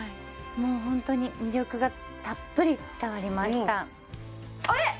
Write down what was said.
もうホントに魅力がたっぷり伝わりましたあれ？